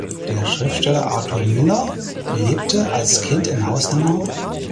Der Schriftsteller Arthur Miller lebte als Kind in Haus Nr.